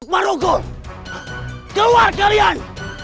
marugol keluar kalian